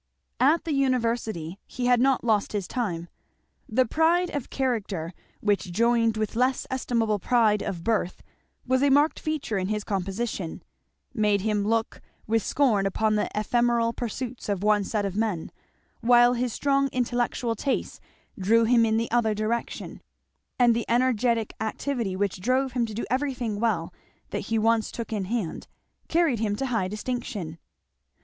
At the University he had not lost his time. The pride of character which joined with less estimable pride of birth was a marked feature in his composition, made him look with scorn upon the ephemeral pursuits of one set of young men; while his strong intellectual tastes drew him in the other direction; and the energetic activity which drove him to do everything well that he once took in hand, carried him to high distinction.